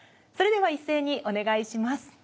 それでは一斉にお願いします。